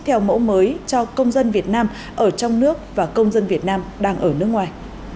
theo mẫu mới cho công dân việt nam ở trong nước và công dân việt nam đang ở nước ngoài